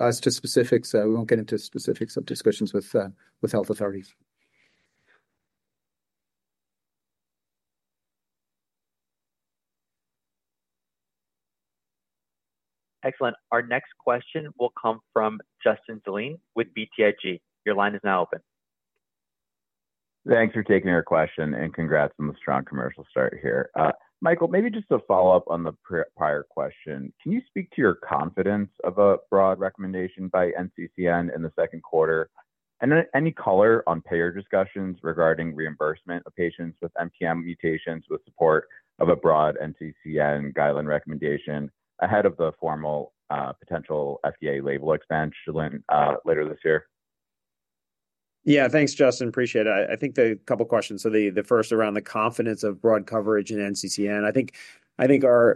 As to specifics, we won't get into specifics of discussions with health authorities. Excellent. Our next question will come from Justin Zelin with BTIG. Your line is now open. Thanks for taking our question. Congrats on the strong commercial start here. Michael, maybe just a follow-up on the prior question. Can you speak to your confidence of a broad recommendation by NCCN in the second quarter? Any color on payer discussions regarding reimbursement of patients with MPM mutations with support of a broad NCCN guideline recommendation ahead of the formal potential FDA label expansion later this year? Yeah. Thanks, Justin. Appreciate it. I think the couple of questions. The first around the confidence of broad coverage in NCCN. I think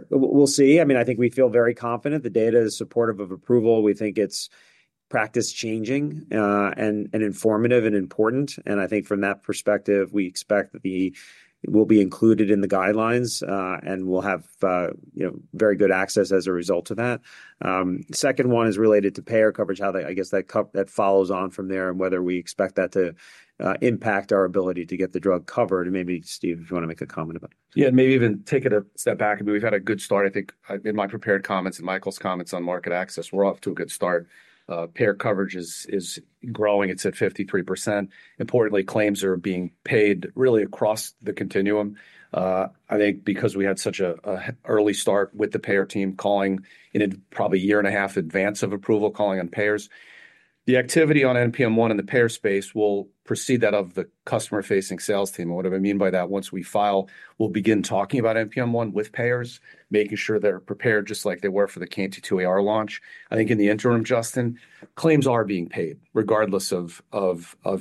we'll see. I mean, I think we feel very confident. The data is supportive of approval. We think it's practice-changing and informative and important. I think from that perspective, we expect that we'll be included in the guidelines and we'll have very good access as a result of that. The second one is related to payer coverage, how I guess that follows on from there and whether we expect that to impact our ability to get the drug covered. Maybe, Steve, if you want to make a comment about it. Yeah. Maybe even take it a step back. I mean, we've had a good start. I think in my prepared comments and Michael's comments on market access, we're off to a good start. Payer coverage is growing. It's at 53%. Importantly, claims are being paid really across the continuum. I think because we had such an early start with the payer team calling in probably a year and a half in advance of approval, calling on payers. The activity on NPM1 in the payer space will precede that of the customer-facing sales team. What do I mean by that? Once we file, we'll begin talking about NPM1 with payers, making sure they're prepared just like they were for the KMT2Ar launch. I think in the interim, Justin, claims are being paid regardless of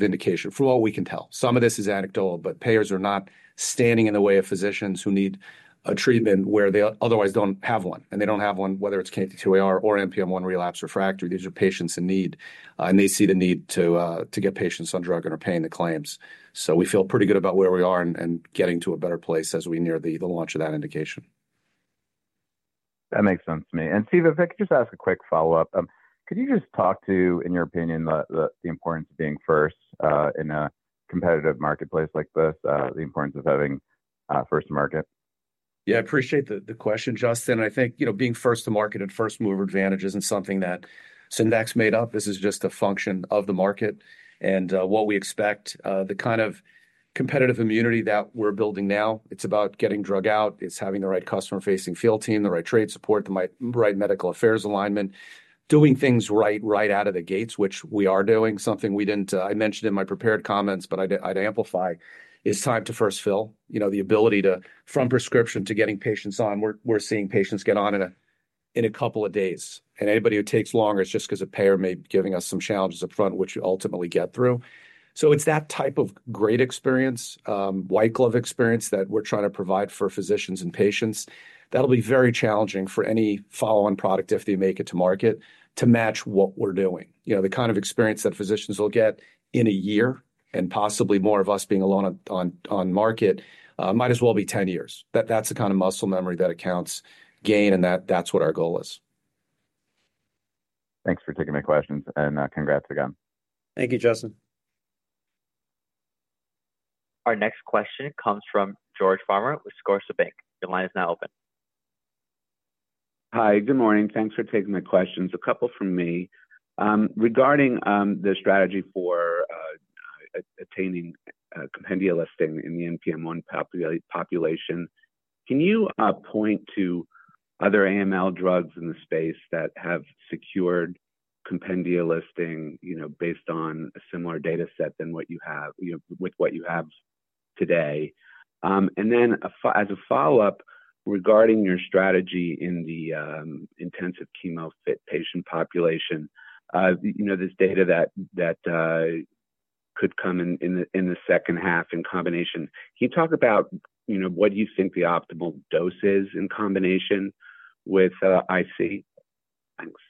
indication. From what we can tell, some of this is anecdotal, but payers are not standing in the way of physicians who need a treatment where they otherwise do not have one. They do not have one, whether it is KMT2Ar or MPM-1 relapse/refractory. These are patients in need. They see the need to get patients on drug and are paying the claims. We feel pretty good about where we are and getting to a better place as we near the launch of that indication. That makes sense to me. Steve, if I could just ask a quick follow-up, could you just talk to, in your opinion, the importance of being first in a competitive marketplace like this, the importance of having first to market? Yeah. I appreciate the question, Justin. I think being first to market and first move advantage isn't something that Syndax made up. This is just a function of the market and what we expect. The kind of competitive immunity that we're building now, it's about getting drug out. It's having the right customer-facing field team, the right trade support, the right medical affairs alignment, doing things right out of the gates, which we are doing. Something I mentioned in my prepared comments, but I'd amplify, is time to first fill. The ability from prescription to getting patients on, we're seeing patients get on in a couple of days. Anybody who takes longer is just because a payer may be giving us some challenges upfront, which we ultimately get through. It is that type of great experience, white glove experience that we're trying to provide for physicians and patients. That'll be very challenging for any follow-on product if they make it to market to match what we're doing. The kind of experience that physicians will get in a year and possibly more of us being alone on market might as well be 10 years. That's the kind of muscle memory that accounts gain, and that's what our goal is. Thanks for taking my questions. Congrats again. Thank you, Justin. Our next question comes from George Farmer with Barclays. Your line is now open. Hi. Good morning. Thanks for taking my questions. A couple from me. Regarding the strategy for attaining compendia listing in the MPM-1 population, can you point to other AML drugs in the space that have secured compendia listing based on a similar dataset than what you have with what you have today? As a follow-up regarding your strategy in the intensive chemo fit patient population, there's data that could come in the second half in combination. Can you talk about what you think the optimal dose is in combination with IC? Thanks.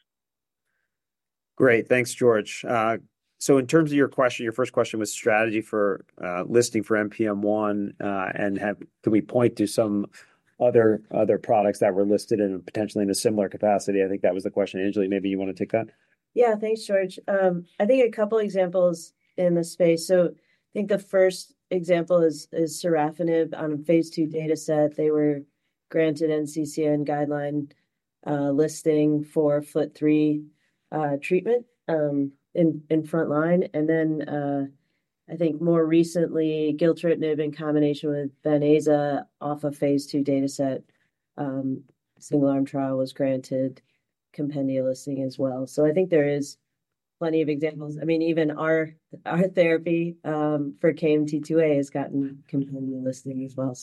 Great. Thanks, George. In terms of your question, your first question was strategy for listing for MPM-1, and can we point to some other products that were listed in potentially in a similar capacity? I think that was the question. Angelique, maybe you want to take that. Yeah. Thanks, George. I think a couple of examples in the space. I think the first example is Sorafenib on a phase two dataset. They were granted NCCN guideline listing for FLT3 treatment in frontline. I think more recently, Gilteritinib in combination with Venetoclax off a phase two dataset single-arm trial was granted compendia listing as well. I think there is plenty of examples. I mean, even our therapy for KMT2A has gotten compendia listing as well.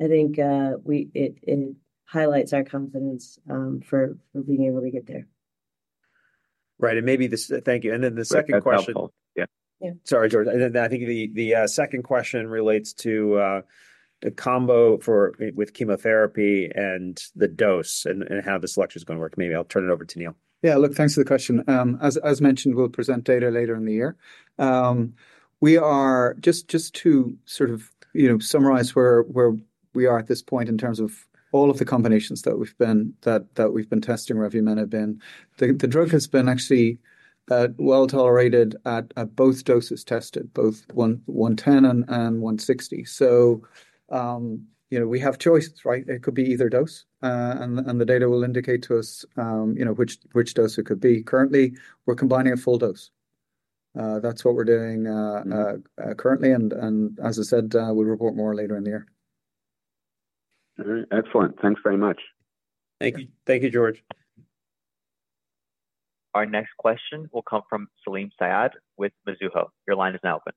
I think it highlights our confidence for being able to get there. Right. Maybe thank you. Then the second question. Sorry, George. I think the second question relates to the combo with chemotherapy and the dose and how this lecture is going to work. Maybe I'll turn it over to Neil. Yeah. Look, thanks for the question. As mentioned, we'll present data later in the year. Just to sort of summarize where we are at this point in terms of all of the combinations that we've been testing, Revumenib in, the drug has been actually well tolerated at both doses tested, both 110 and 160. We have choices, right? It could be either dose. The data will indicate to us which dose it could be. Currently, we're combining a full dose. That's what we're doing currently. As I said, we'll report more later in the year. Excellent. Thanks very much. Thank you, George. Our next question will come from Salim Syed with Mizuho. Your line is now open.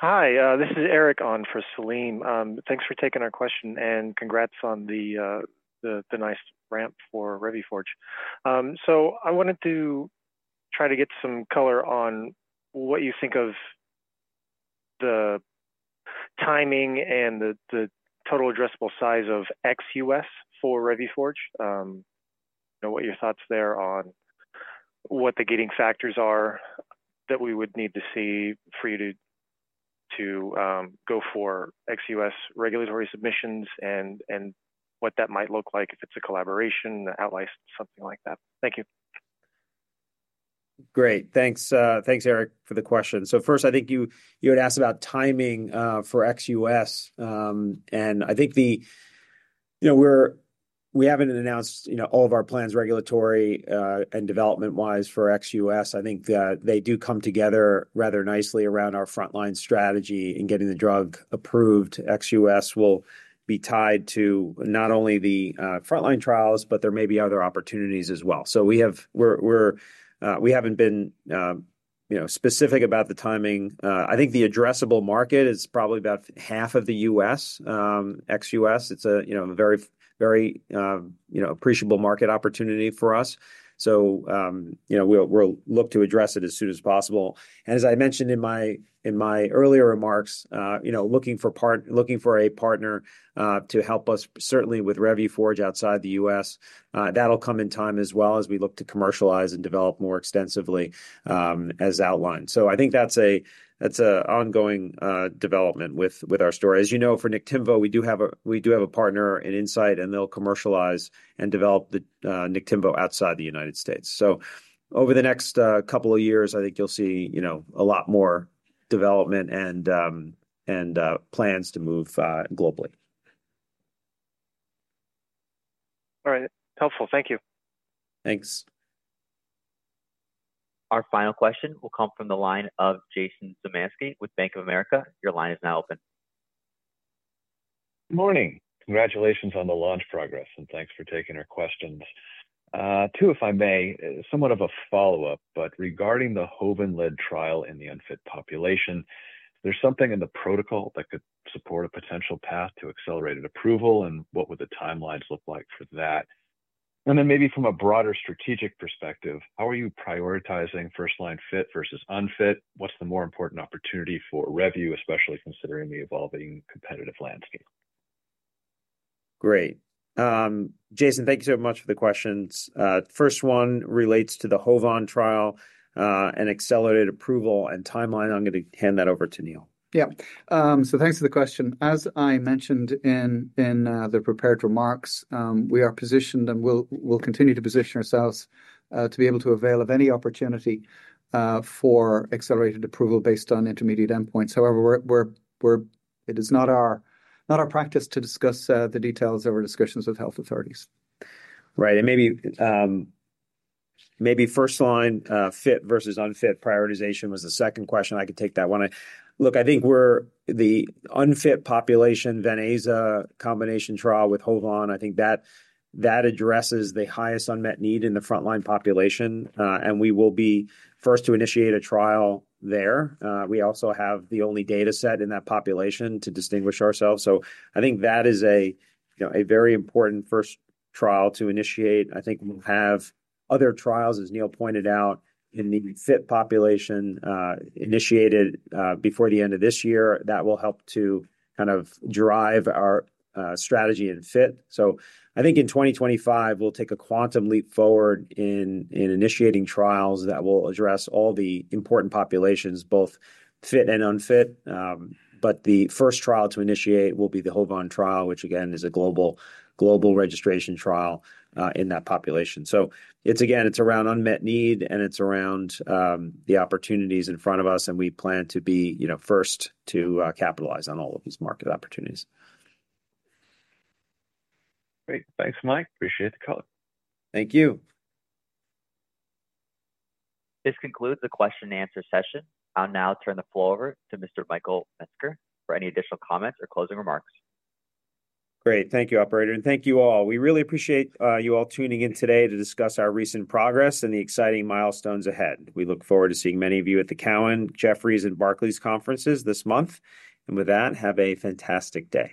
Hi. This is Eric on for Salim. Thanks for taking our question. Congrats on the nice ramp for Revuforj. I wanted to try to get some color on what you think of the timing and the total addressable size of ex-U.S. for Revuforj, what your thoughts are there on what the gating factors are that we would need to see for you to go for ex-U.S. regulatory submissions and what that might look like if it's a collaboration, an outlier, something like that. Thank you. Great. Thanks, Eric, for the question. First, I think you had asked about timing for ex-US. I think we haven't announced all of our plans regulatory and development-wise for ex-US. I think they do come together rather nicely around our frontline strategy in getting the drug approved. ex-US will be tied to not only the frontline trials, but there may be other opportunities as well. We haven't been specific about the timing. I think the addressable market is probably about half of the US, ex-US. It's a very appreciable market opportunity for us. We'll look to address it as soon as possible. As I mentioned in my earlier remarks, looking for a partner to help us certainly with Revuforj outside the US, that'll come in time as well as we look to commercialize and develop more extensively as outlined. I think that's an ongoing development with our story. As you know, for Niktimvo, we do have a partner in Insight, and they'll commercialize and develop Niktimvo outside the United States. Over the next couple of years, I think you'll see a lot more development and plans to move globally. All right. Helpful. Thank you. Thanks. Our final question will come from the line of Jason Zemansky with Bank of America. Your line is now open. Morning. Congratulations on the launch progress, and thanks for taking our questions. Two, if I may, somewhat of a follow-up, but regarding the HOVON-led trial in the unfit population, there's something in the protocol that could support a potential path to accelerated approval, and what would the timelines look like for that? Maybe from a broader strategic perspective, how are you prioritizing first-line fit versus unfit? What's the more important opportunity for Revu, especially considering the evolving competitive landscape? Great. Jason, thank you so much for the questions. First one relates to the HOVON trial and accelerated approval and timeline. I'm going to hand that over to Neil. Yeah. Thanks for the question. As I mentioned in the prepared remarks, we are positioned and we'll continue to position ourselves to be able to avail of any opportunity for accelerated approval based on intermediate endpoints. However, it is not our practice to discuss the details of our discussions with health authorities. Right. Maybe first-line fit versus unfit prioritization was the second question. I could take that one. Look, I think the unfit population, the Benazza combination trial with HOVON, I think that addresses the highest unmet need in the frontline population. We will be first to initiate a trial there. We also have the only dataset in that population to distinguish ourselves. I think that is a very important first trial to initiate. I think we'll have other trials, as Neil pointed out, in the fit population initiated before the end of this year that will help to kind of drive our strategy in fit. I think in 2025, we'll take a quantum leap forward in initiating trials that will address all the important populations, both fit and unfit. The first trial to initiate will be the HOVON trial, which again is a global registration trial in that population. It's around unmet need, and it's around the opportunities in front of us. We plan to be first to capitalize on all of these market opportunities. Great. Thanks, Mike. Appreciate the call. Thank you. This concludes the question-and-answer session. I'll now turn the floor over to Mr. Michael Metzger for any additional comments or closing remarks. Great. Thank you, Operator. Thank you all. We really appreciate you all tuning in today to discuss our recent progress and the exciting milestones ahead. We look forward to seeing many of you at the Cowen, Jefferies, and Barclays conferences this month. With that, have a fantastic day.